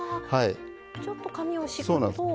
ちょっと紙を敷くと。